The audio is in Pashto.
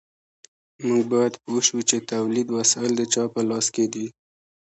موږ باید پوه شو چې د تولید وسایل د چا په لاس کې دي.